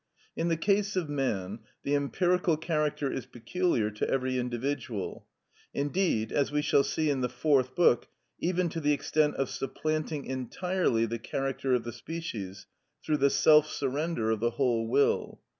In the case of man, the empirical character is peculiar to every individual (indeed, as we shall see in the Fourth Book, even to the extent of supplanting entirely the character of the species, through the self surrender of the whole will).